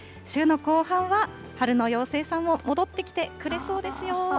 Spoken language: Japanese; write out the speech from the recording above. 週の後半は、春の妖精さんも戻ってきてくれそうですよ。